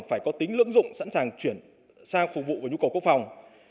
phải có tính lưỡng dụng sẵn sàng chuyển sang phục vụ và nhu cầu quốc phòng